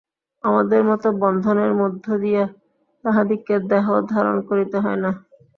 আমাদের মত বন্ধনের মধ্য দিয়া তাঁহাদিগকে দেহ ধারণ করিতে হয় না।